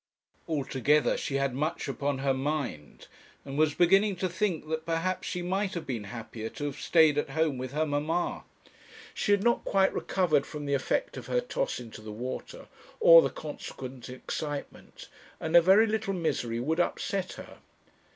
Altogether she had much upon her mind, and was beginning to think that, perhaps, she might have been happier to have stayed at home with her mamma. She had not quite recovered from the effect of her toss into the water, or the consequent excitement, and a very little misery would upset her.